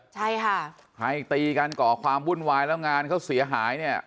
ใช่ค่ะใครตีกันก่อความวุ่นวายแล้วงานเขาเสียหายเนี่ย